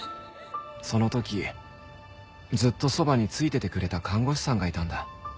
その時ずっとそばについててくれた看護師さんがいたんだ。